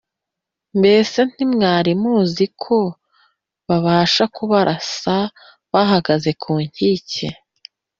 Mbese ntimwari muzi ko babasha kubarasa bahagaze ku nkike?